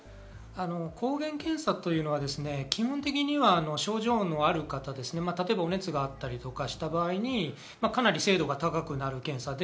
抗原検査は基本的には症状のある方、例えば熱があったりした場合にかなり精度が高くなる検査です。